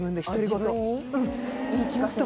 言い聞かせてる